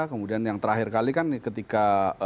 kemudian yang terakhir kali kan ketika